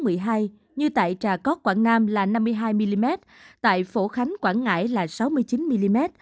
tại mùa một tháng một mươi hai như tại trà cót quảng nam là năm mươi hai mm tại phổ khánh quảng ngãi là sáu mươi chín mm